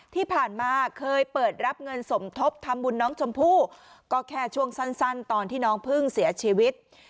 ที่ผ่านมาเคยเปิดรับเงินสมทบทำบุญน้องชมพู่ก็แค่ช่วงสั้นตอนที่น้องเพิ่งเสียชีวิต